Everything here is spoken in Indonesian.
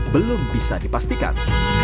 belum bisa dipastikan